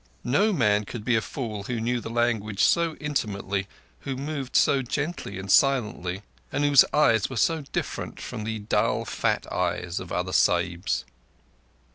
No man could be a fool who knew the language so intimately, who moved so gently and silently, and whose eyes were so different from the dull fat eyes of other Sahibs.